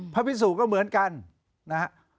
พระพิสูจน์ก็เหมือนกัน